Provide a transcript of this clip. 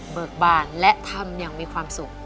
กบานและทำอย่างมีความสุข